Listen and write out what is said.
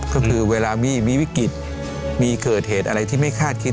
ก็คือเวลามีวิกฤตมีเกิดเหตุอะไรที่ไม่คาดคิด